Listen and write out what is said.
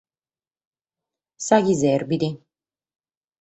Sa chi serbit.